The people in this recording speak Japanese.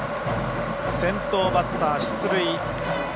先頭バッター出塁。